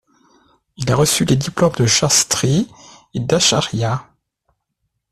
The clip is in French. Il y a reçu les diplômes de Shastri et d'Acharya.